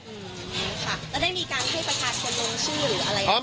อืมค่ะแล้วได้มีการเคลียร์ประชาชนลงชื่อหรืออะไร